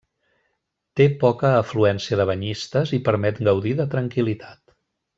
Té poca afluència de banyistes i permet gaudir de tranquil·litat.